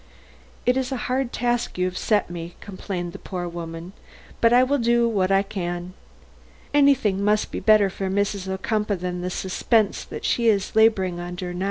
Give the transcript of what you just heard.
"It is a hard task you have set me," complained the poor woman; "but I will do what I can. Anything must be better for Mrs. Ocumpaugh than the suspense she is now laboring under."